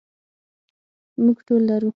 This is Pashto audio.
موږ ټول لرو.